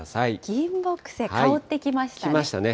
キンモクセイ、香ってきましたね。